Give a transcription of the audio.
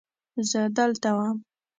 زه دلته وم.